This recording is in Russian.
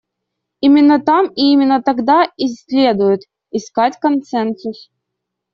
Именно там и именно тогда и следует искать консенсус.